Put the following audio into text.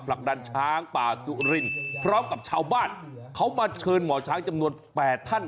ผลักดันช้างป่าสุรินพร้อมกับชาวบ้านเขามาเชิญหมอช้างจำนวน๘ท่าน